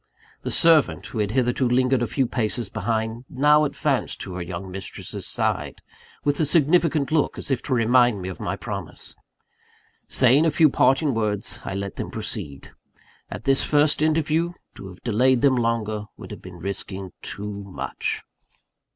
The servant, who had hitherto lingered a few paces behind, now advanced to her young mistress's side, with a significant look, as if to remind me of my promise. Saying a few parting words, I let them proceed: at this first interview, to have delayed them longer would have been risking too much.